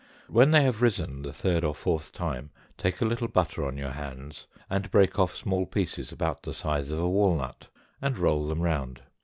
When they have risen the third or fourth time, take a little butter on your hands, and break off small pieces about the size of a walnut and roll them round.